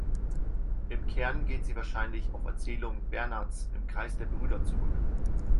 Im Kern geht sie wahrscheinlich auf Erzählungen Bernhards im Kreis der Brüder zurück.